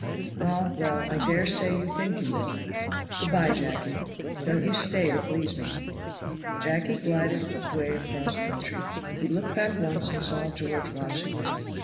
"Ah! well I daresay you think you will. Good by, Jacky; don't you stay to please me." Jacky glided away across country. He looked back once and saw George watching him.